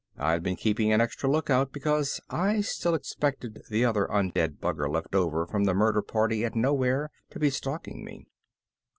I'd been keeping an extra lookout because I still expected the other undead bugger left over from the murder party at Nowhere to be stalking me.